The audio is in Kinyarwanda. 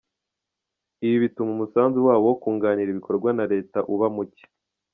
Ibi bituma umusanzu wabo mu kunganira ibikorwa na leta uba muke.